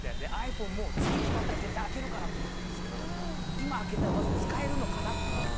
ｉＰｈｏｎｅも次決まったら絶対開けるからと思ってるんですけど今、開けたらまず使えるのかなっていう。